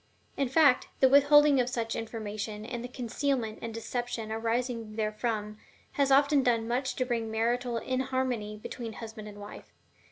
In fact, the withholding of such information, and the concealment and deception arising therefrom, has often done much to bring marital inharmony between husband and wife.